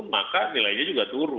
maka nilainya juga turun